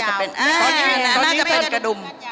อันนี้จะเป็นกระดุม